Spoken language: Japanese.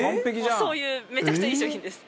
そういうめちゃくちゃいい商品です。